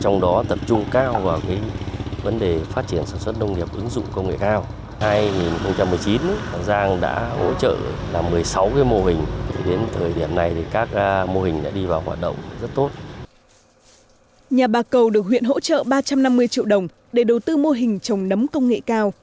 nhà bà cầu được huyện hỗ trợ ba trăm năm mươi triệu đồng để đầu tư mô hình trồng nấm công nghệ cao